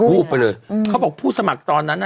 วูบไปเลยเขาบอกผู้สมัครตอนนั้นน่ะ